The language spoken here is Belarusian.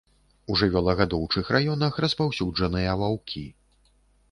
У жывёлагадоўчых раёнах распаўсюджаныя ваўкі.